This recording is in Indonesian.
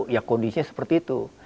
ya kondisinya seperti itu